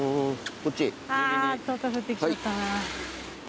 とうとう降ってきちゃったな。